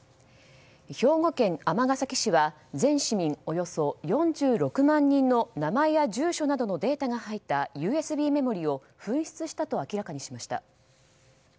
兵庫県尼崎市は全市民およそ４６万人の名前や住所などのデータが入ったＵＳＢメモリーを紛失したと明らかにしました。